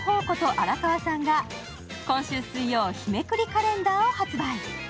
荒川さんが今週水曜、日めくりカレンダーを発売。